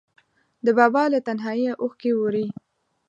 د بابا له تنهاییه اوښکې ووري